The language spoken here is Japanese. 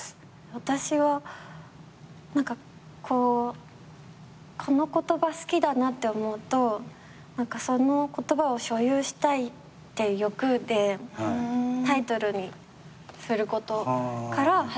私は何かこうこの言葉好きだなって思うとその言葉を所有したいっていう欲でタイトルにすることから始まりますね。